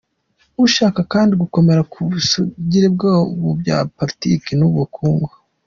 Urashaka kandi gukomera ku busugire bwawo mu bya politiki n’ubukungu.